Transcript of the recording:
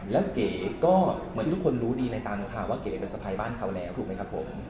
แล้วเก๋ก็เหมือนที่ทุกคนรู้ดีในตามข่าวว่าเก๋เป็นสะพายบ้านเขาแล้วถูกไหมครับผม